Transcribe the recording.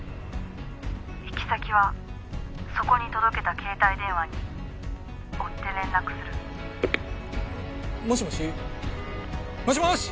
「行き先はそこに届けた携帯電話に追って連絡する」もしもし？もしもし！